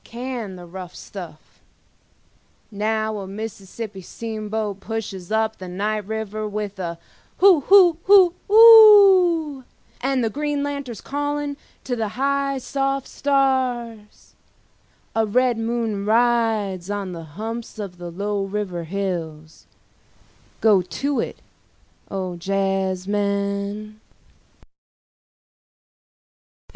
Can the rough stuff … now a Mississippi steamboat pushes up the night river with a hoo hoo hoo oo … and the green lanterns calling to the high soft stars … a red moon rides on the humps of the low river hills … go to it, O jazzmen.